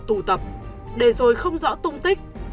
tu tập để rồi không rõ tung tích